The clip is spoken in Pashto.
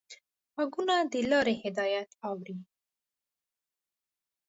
غوږونه د لارې هدایت اوري